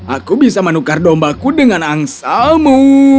aku bisa menukar dombaku dengan angsamu